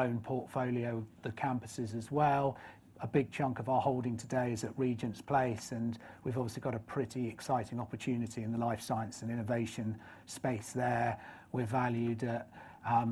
own portfolio, the campuses as well, a big chunk of our holding today is at Regent's Place, and we've obviously got a pretty exciting opportunity in the life science and innovation space there. We're valued at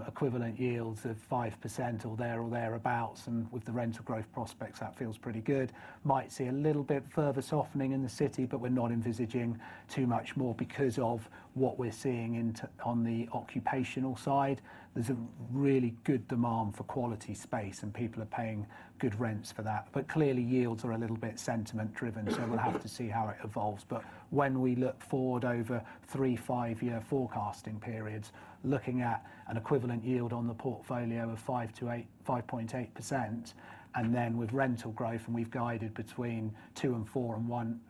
equivalent yields of 5% or thereabouts, and with the rental growth prospects, that feels pretty good. Might see a little bit further softening in the city, but we're not envisaging too much more because of what we're seeing on the occupational side. There's a really good demand for quality space, and people are paying good rents for that. Clearly, yields are a little bit sentiment driven, we'll have to see how it evolves. When we look forward over three, five-year forecasting periods, looking at an equivalent yield on the portfolio of 5.8%, and then with rental growth, and we've guided between 2% and 4% and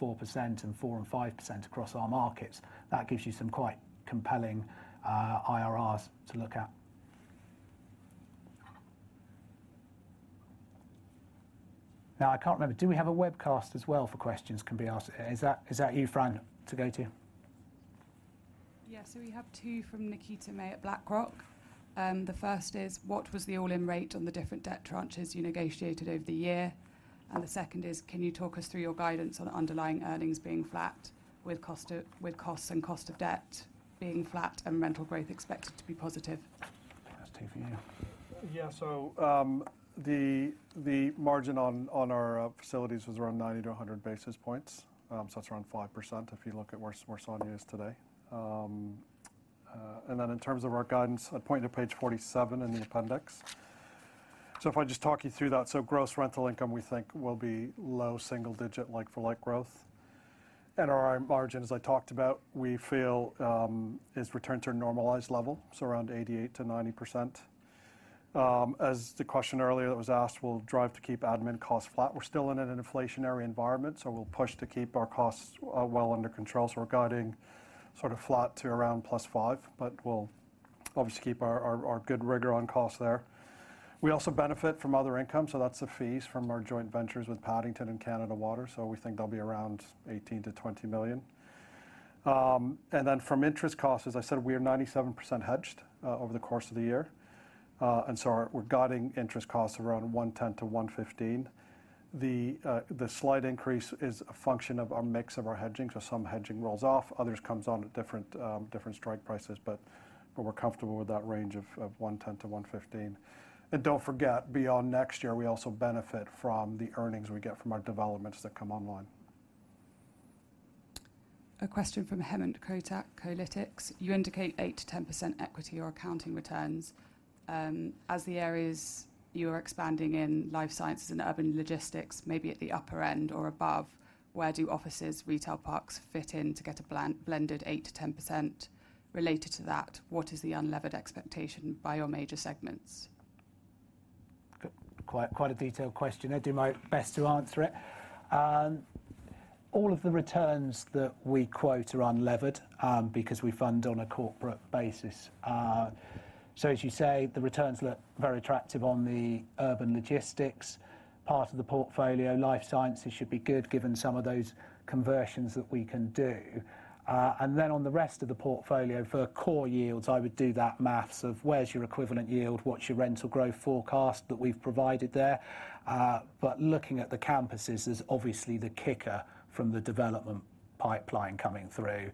4% and 5% across our markets, that gives you some quite compelling IRRs to look at. I can't remember. Do we have a webcast as well for questions can be asked? Is that you, Fran, to go to? We have two from Nikita May at BlackRock. The first is, what was the all-in rate on the different debt tranches you negotiated over the year? The second is, can you talk us through your guidance on the underlying earnings being flat with costs and cost of debt being flat and rental growth expected to be positive? That's two for you. Yeah. The margin on our facilities was around 90-100 basis points. That's around 5% if you look at where SONIA is today. In terms of our guidance, I'd point to page 47 in the appendix. If I just talk you through that, gross rental income, we think, will be low single-digit like-for-like growth. NRI margin, as I talked about, we feel is returned to a normalized level, so around 88%-90%. As the question earlier that was asked, we'll drive to keep admin costs flat. We're still in an inflationary environment, so we'll push to keep our costs well under control. We're guiding sort of flat to around +5%, but we'll obviously keep our good rigor on costs there. We also benefit from other income, so that's the fees from our joint ventures with Paddington and Canada Water. We think they'll be around 18 million-20 million. From interest costs, as I said, we are 97% hedged over the course of the year. We're guiding interest costs around 110 million-115 million. The slight increase is a function of our mix of our hedging. Some hedging rolls off, others comes on at different different strike prices. But we're comfortable with that range of 110 million-115 million. Don't forget, beyond next year, we also benefit from the earnings we get from our developments that come online. A question from Hemant Kotak, Kolytics. You indicate 8%-10% equity or accounting returns. As the areas you are expanding in life sciences and urban logistics, maybe at the upper end or above, where do offices, retail parks fit in to get a blended 8%-10%? Related to that, what is the unlevered expectation by your major segments? Quite a detailed question. I'll do my best to answer it. All of the returns that we quote are unlevered because we fund on a corporate basis. As you say, the returns look very attractive on the urban logistics part of the portfolio. Life sciences should be good given some of those conversions that we can do. On the rest of the portfolio, for core yields, I would do that math of where's your equivalent yield, what's your rental growth forecast that we've provided there. Looking at the campuses is obviously the kicker from the development pipeline coming through.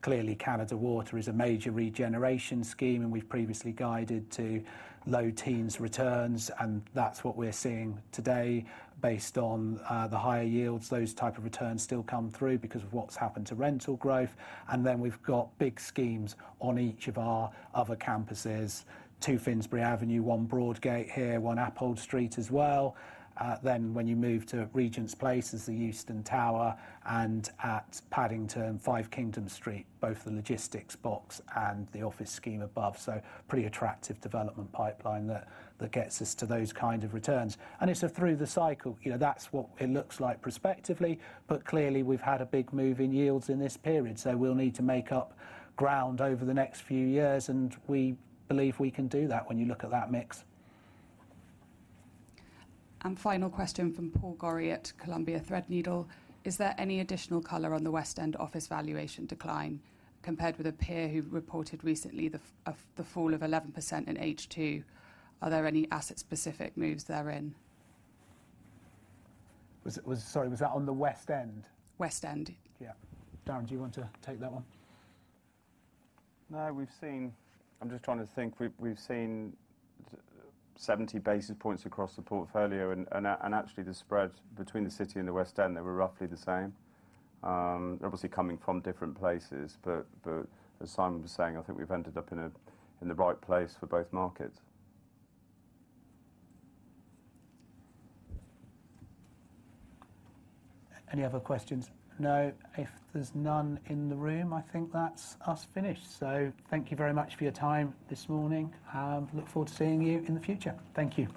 Clearly, Canada Water is a major regeneration scheme, we've previously guided to low teens returns, and that's what we're seeing today. Based on the higher yields, those type of returns still come through because of what's happened to rental growth. We've got big schemes on each of our other campuses. 2 Finsbury Avenue, 1 Broadgate here, 1 Appold Street as well. When you move to Regent's Place, there's the Euston Tower, and at Paddington, 5 Kingdom Street, both the logistics box and the office scheme above. Pretty attractive development pipeline that gets us to those kind of returns. It's through the cycle, you know, that's what it looks like prospectively. Clearly, we've had a big move in yields in this period, we'll need to make up ground over the next few years, we believe we can do that when you look at that mix. Final question from Paul Gorrie at Columbia Threadneedle. Is there any additional color on the West End office valuation decline compared with a peer who reported recently the fall of 11% in H2? Are there any asset-specific moves therein? Sorry, was that on the West End? West End. Yeah. Darren, do you want to take that one? No. I'm just trying to think. We've seen 70 basis points across the portfolio and actually the spread between the City and the West End, they were roughly the same. Obviously coming from different places, but as Simon was saying, I think we've ended up in the right place for both markets. Any other questions? No. If there's none in the room, I think that's us finished. Thank you very much for your time this morning. look forward to seeing you in the future. Thank you.